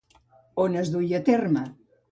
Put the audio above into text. On es duia a terme?